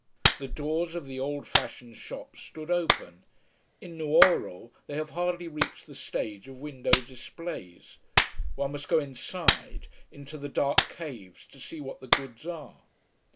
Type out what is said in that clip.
The doors of the old fashioned shops stood open: in Nuoro they have hardly reached the stage of window displays. One must go inside, into the dark caves, to see what the goods are.